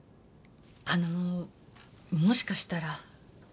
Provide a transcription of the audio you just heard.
あのもしかしたら。